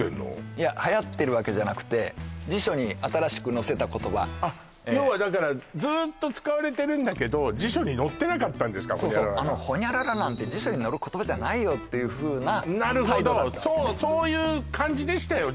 いやはやってるわけじゃなくて辞書に新しく載せた言葉あっ要はだからずっと使われてるんだけど辞書に載ってなかったんですかそうそう「ホニャララ」なんて辞書に載る言葉じゃないよっていうふうな態度だったそういう感じでしたよ